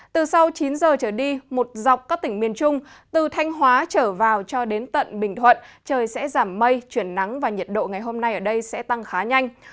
từ sau chín giờ trở đi một dọc các tỉnh miền trung từ thanh hóa trở vào cho đến tận bình thuận trời sẽ giảm mây chuyển nắng và nhiệt độ ngày hôm nay ở đây sẽ tăng khá nhanh